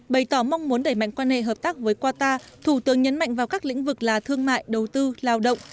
bày tỏ mong muốn đẩy mạnh quan hệ hợp tác với qatar thủ tướng nhấn mạnh vào các lĩnh vực là thương mại đầu tư lao động